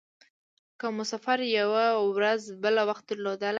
که مو سفر یوه ورځ بل وخت درلودلای.